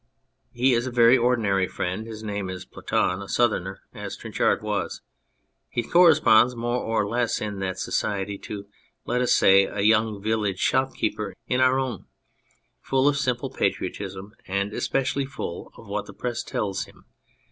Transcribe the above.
He is a very ordinary friend, his name is Ploton, a Southerner, as Trinchard was. He corre sponds more or less in that society to, let us say, a young village shopkeeper in our own, full of a simple patriotism, and especially full of what the Press tells him.